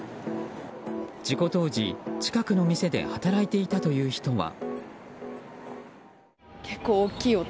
事故当時、近くの店で働いていたという人は。